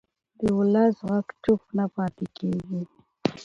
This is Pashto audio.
د ولس غږ چوپ نه پاتې کېږي